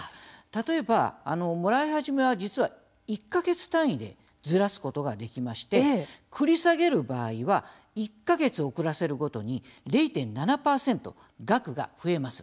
例えば、もらい始めは実は１か月単位でずらすことができまして繰り下げる場合は１か月遅らせるごとに０．７％、額が増えます。